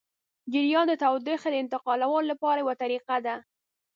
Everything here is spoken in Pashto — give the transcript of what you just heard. جریان د تودوخې د انتقالولو لپاره یوه طریقه ده.